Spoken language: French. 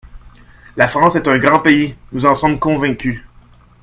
La France est un grand pays, nous en sommes convaincus.